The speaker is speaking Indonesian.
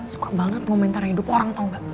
suka banget ngomongin cara hidup orang tau gak